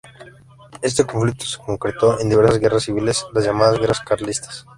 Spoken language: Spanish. Este conflicto se concretó en diversas guerras civiles, las llamadas Guerras Carlistas.